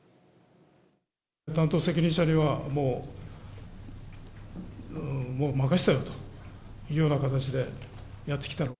担当責任者には、もう、もう任せてあるというような形でやってきた。